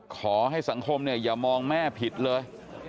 ขอให้สังคมเนี่ยอย่ามองแม่ผิดเลย